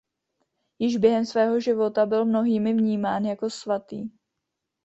Již během svého života byl mnohými vnímán jako svatý.